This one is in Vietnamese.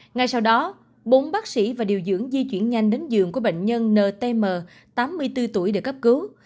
ngay sau đó bốn bác sĩ và điều dưỡng di chuyển nhanh đến giường của bệnh nhân ntm tám mươi bốn tuổi để cấp cứu